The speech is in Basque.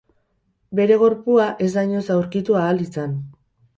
Bere gorpua ez da inoiz aurkitu ahal izan.